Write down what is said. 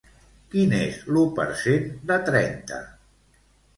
Quin és l'u per cent de trenta?